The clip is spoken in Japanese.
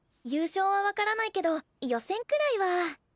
優勝は分からないけど予選くらいは。